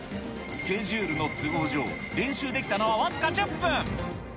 スケジュールの都合上、練習できたのは僅か１０分。